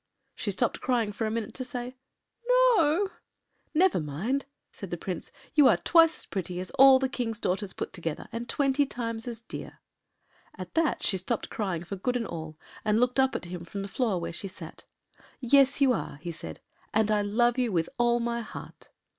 She stopped crying for a minute to say “No.” “Never mind,” said the Prince. “You are twice as pretty as all the Kings’ daughters put together and twenty times as dear.” At that she stopped crying for good and all, and looked up at him from the floor where she sat. “Yes you are,” he said, “and I love you with all my heart.